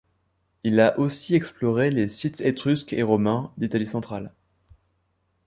Il a aussi exploré les sites étrusques et romains d'Italie centrale.